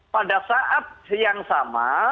pada saat yang sama